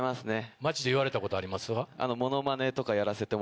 街で言われたことありますか？